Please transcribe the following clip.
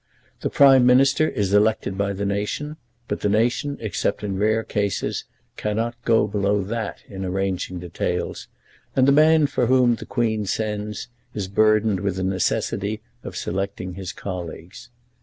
The Prime Minister is elected by the nation, but the nation, except in rare cases, cannot go below that in arranging details, and the man for whom the Queen sends is burdened with the necessity of selecting his colleagues.